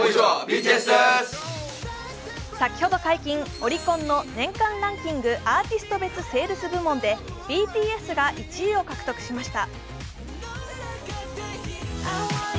オリコンの年間ランキングアーティスト別セールス部門でＢＴＳが１位を獲得しました。